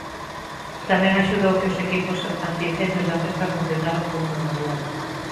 Tamén axudou que os equipos antiincendios da empresa funcionaron con normalidade.